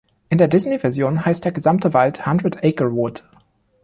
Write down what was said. In der Disney-Version heißt der gesamte Wald "Hundred Acre Wood".